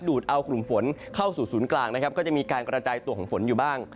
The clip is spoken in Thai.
ดเอากลุ่มฝนเข้าสู่ศูนย์กลางนะครับก็จะมีการกระจายตัวของฝนอยู่บ้าง